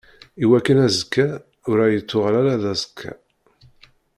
Iwakken azekka ur aɣ-yettuɣal ara d aẓekka.